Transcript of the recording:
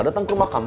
datang ke rumah kamu